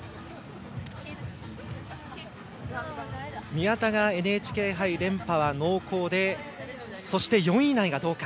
宮田がＮＨＫ杯連覇が濃厚でそして４位以内がどうか。